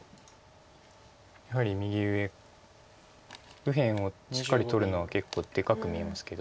やはり右上右辺をしっかり取るのが結構でかく見えますけど。